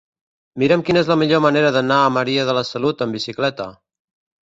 Mira'm quina és la millor manera d'anar a Maria de la Salut amb bicicleta.